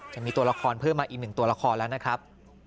จะมีตัวละครเพิ่มมาอีกหนึ่งตัวละครแล้วนะครับ